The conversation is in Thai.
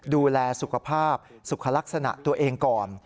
ดูแลสุขภาพสุขลักษณะตัวเองก่อน